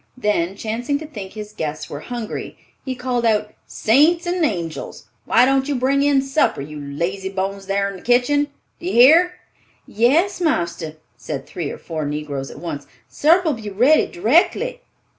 Then chancing to think his guests were hungry, he called out, "Saints and angels! Why don't you bring in supper, you lazy bones thar in the kitchen? Do you hear?" "Yes, marster," said three or four negroes at once, "supper'll be ready d'rectly."